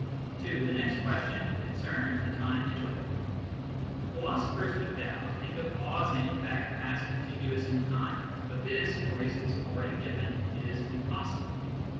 (2) The next question concerns the time interval. Philosophers, no doubt, think of cause and effect as contiguous in time, but this, for reasons already given, is impossible.